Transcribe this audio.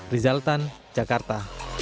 rizal tan jakarta